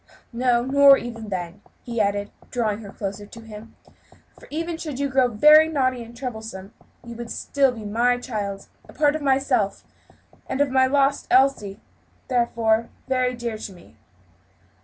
No, nor even then," he added, drawing her closer to him, "for even should you grow very naughty and troublesome, you would still be my child a part of myself and of my lost Elsie, and therefore very dear to me."